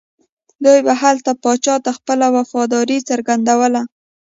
دوی به هلته پاچا ته خپله وفاداري څرګندوله.